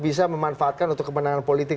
bisa memanfaatkan untuk kemenangan politik